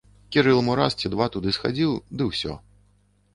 Кірыл мо раз ці два туды схадзіў, ды ўсё.